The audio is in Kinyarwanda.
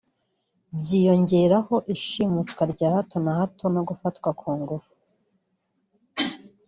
byiyongeraho ishimutwa rya hato na hato no gufatwa ku ngufu